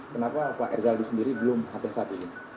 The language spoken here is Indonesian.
kenapa pak rizal ini sendiri belum hati hati